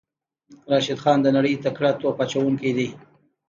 راشد خان د نړۍ تکړه توپ اچوونکی دی.